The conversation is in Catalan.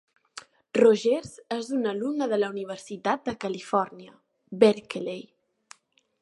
Rogers és un alumne de la Universitat de Califòrnia, Berkeley.